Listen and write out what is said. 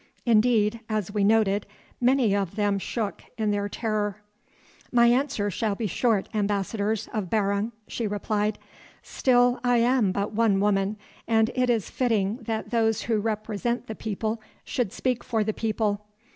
Indeed, as we noted, many of them shook in their terror. "My answer will be short, ambassadors of Barung," she replied, "still, I am but one woman, and it is fitting that those who represent the people should speak for the people.